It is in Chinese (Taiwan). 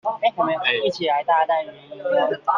一起來大啖語音應用